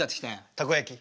たこ焼き。